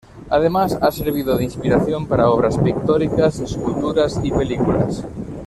Además ha servido de inspiración para obras pictóricas, esculturas y películas.